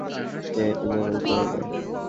সে delivery করবে।